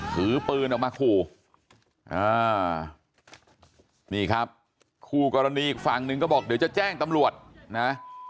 ถือปืนออกมาขู่อ่านี่ครับคู่กรณีอีกฝั่งหนึ่งก็บอกเดี๋ยวจะแจ้งตำรวจนะ